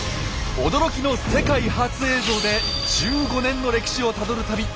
驚きの「世界初」映像で１５年の歴史をたどる旅。